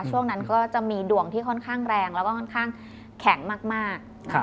ช่วงนั้นก็จะมีดวงที่ค่อนข้างแรงแล้วก็ค่อนข้างแข็งมาก